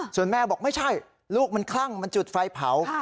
ส่วนแม่บอกไม่ใช่ลูกมันคลั่งมันจุดไฟเผา